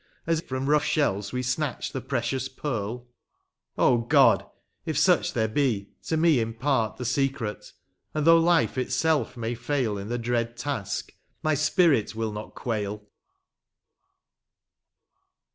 As from rough shells we snatch the precious pearl ? Oh, God ! if such there be, to me impart The secret, and though life itself may fail In the dread task, my spirit will not quail.